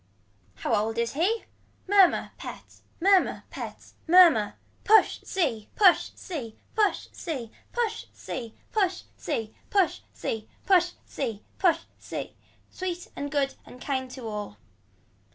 How old is he. Murmur pet murmur pet murmur. Push sea push sea push sea push sea push sea push sea push sea push sea. Sweet and good and kind to all.